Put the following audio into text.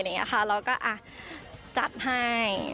เราก็จัดให้